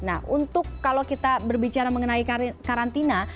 nah untuk kalau kita berbicara mengenai karantina